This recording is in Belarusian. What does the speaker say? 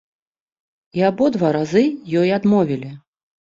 І абодва разы ёй адмовілі.